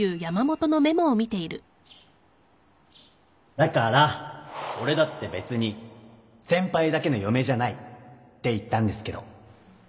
だから俺だって別に先輩だけの嫁じゃないって言ったんですけど